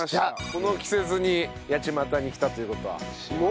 この季節に八街に来たという事は。